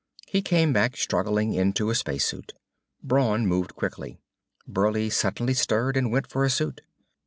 He came back, struggling into a space suit. Brawn moved quickly. Burleigh suddenly stirred and went for a suit.